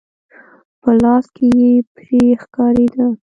په لاس کې يې پړی ښکارېده.